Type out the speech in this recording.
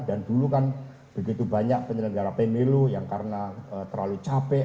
dan dulu kan begitu banyak penyelenggara pemilu yang karena terlalu capek